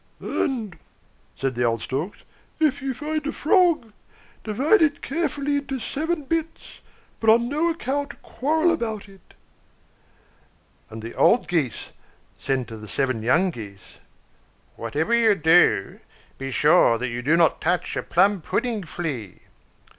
"And," said the old Storks, "if you find a frog, divide it carefully into seven bits, but on no account quarrel about it." And the old Geese said to the seven young Geese, "Whatever you do, be sure you do not touch a plum pudding flea."